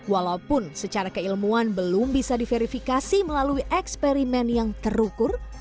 walaupun secara keilmuan belum bisa diverifikasi melalui eksperimen yang terukur